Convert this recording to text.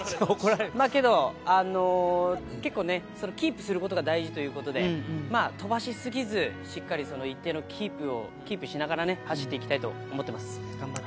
けど、結構ね、キープすることが大事ということで、飛ばし過ぎず、しっかり一定の、キープしながら走っていきたいと思っています。